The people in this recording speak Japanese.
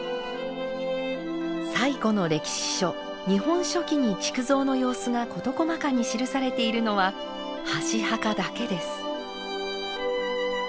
最古の歴史書「日本書紀」に築造の様子が事細かに記されているのは箸墓だけです。